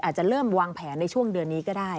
อาจจะเริ่มวางแผนในช่วงเดือนนี้ก็ได้